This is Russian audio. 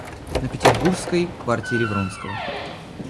На петербургской квартире Вронского.